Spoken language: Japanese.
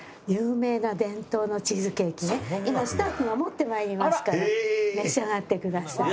今スタッフが持って参りますから召し上がってください。